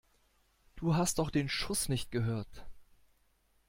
Du hast doch den Schuss nicht gehört!